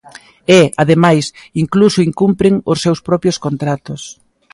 E, ademais, incluso incumpren os seus propios contratos.